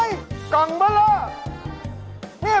เฮ่ยกล่องบอลเลอร์